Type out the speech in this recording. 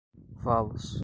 valos